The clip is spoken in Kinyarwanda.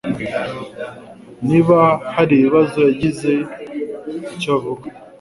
Niba haribibazo, yagize icyo avuga.